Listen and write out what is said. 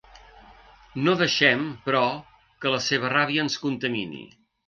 No deixem, però, que la seva ràbia ens contamini.